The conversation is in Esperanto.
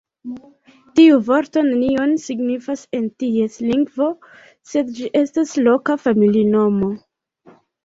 Tiu vorto nenion signifas en ties lingvo, sed ĝi estas loka familinomo.